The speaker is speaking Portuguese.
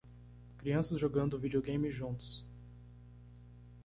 Crianças jogando videogame juntos.